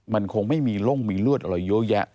มันคงไม่มีล่มมีรวดอะไรเยอะแยะ